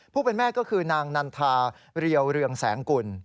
ผู้เป็นแม่ก็คือนางนันทาเรียวเรืองแสงกุล